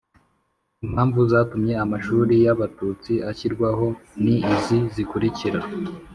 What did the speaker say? impamvu zatumye amashuri y'abatutsi ashyirwaho ni izi zikurikira